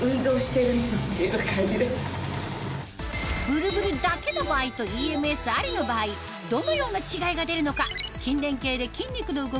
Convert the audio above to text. ブルブルだけの場合とＥＭＳありの場合どのような違いが出るのか